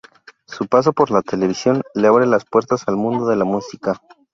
Su paso por la televisión le abre las puertas al mundo de la música.